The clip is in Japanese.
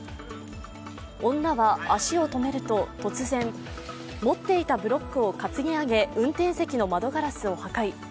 女は、足を止めると突然持っていたブロックを担ぎ上げ運転席の窓ガラスを破壊。